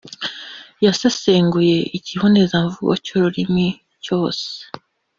Yasesenguye ikibonezamvugo cy’ururimi cyose